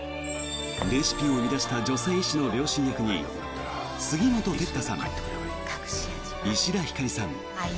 レシピを生み出した女性医師の両親役に杉本哲太さん、石田ひかりさん。